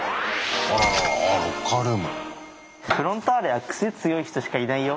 あロッカールーム。